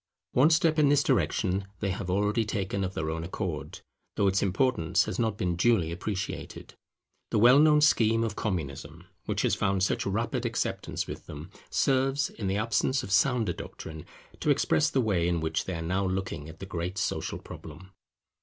One step in this direction they have already taken of their own accord, though its importance has not been duly appreciated. The well known scheme of Communism, which has found such rapid acceptance with them, serves, in the absence of sounder doctrine, to express the way in which they are now looking at the great social problem.